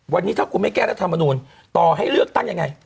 วันนี้ถ้าพี่มาแก้รัฐธรรมนุนต่อให้เลือกตั้งอย่างไง